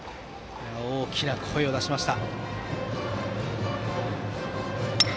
大きな声を出しました。